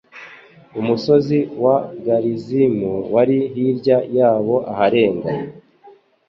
Umusozi wa Garizimu wari hirya yabo aharenga.